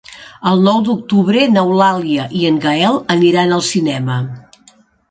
El nou d'octubre n'Eulàlia i en Gaël aniran al cinema.